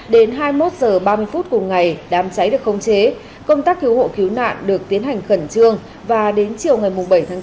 đến hai mươi một h ba mươi phút cùng ngày đám cháy được khống chế công tác cứu hộ cứu nạn được tiến hành khẩn trương và đến chiều ngày bảy tháng bốn